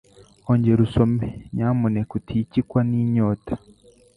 Ongera usome, nyamuneka uticyikwa ninyota.